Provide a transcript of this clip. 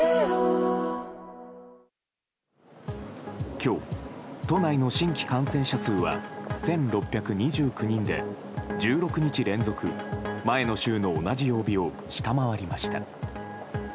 今日、都内の新規感染者数は１６２９人で１６日連続、前の週の同じ曜日を下回りました。